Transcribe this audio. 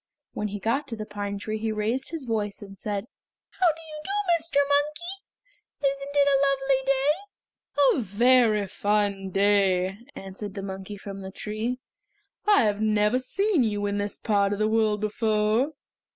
When he got to the pine tree he raised his voice and said: "How do you do, Mr. Monkey? Isn't it a lovely day?" "A very fine day," answered the monkey from the tree. "I have never seen you in this part of the world before.